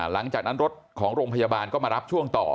หลังจากนั้นรถของโรงพยาบาลก็มารับช่วงต่อ